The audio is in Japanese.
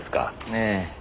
ええ。